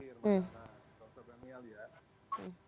masa dokter daniel ya